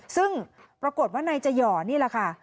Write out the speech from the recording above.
ซึ่งปรากฏว่านายจะหย่อนี่แหละค่ะ